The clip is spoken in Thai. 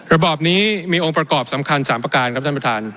ระบอบนี้มีองค์ประกอบสำคัญ๓ประการครับท่านประธาน